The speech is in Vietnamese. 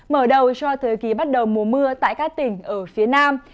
mở đầu cho thời kỳ bắt đầu mùa mưa tại các tỉnh ở phía nam